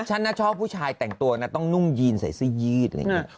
ฉันน่ะชอบผู้ชายแต่งตัวนะต้องนุ่งยีนใส่เสื้อยืดอะไรอย่างนี้